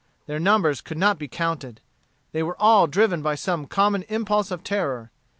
Their numbers could not be counted. They were all driven by some common impulse of terror.